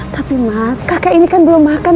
tapi mas kakek ini kan belum makan